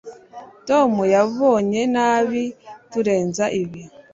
Tom yabonye nabi kurenza ibi